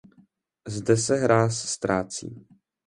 Zde se hráz ztrácí.